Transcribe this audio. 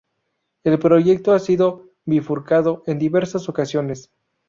El proyecto ha sido bifurcado en diversas ocasiones.